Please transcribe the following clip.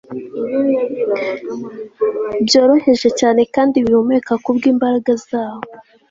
Byoroheje cyane kandi bihumeka kubwimbaraga zabo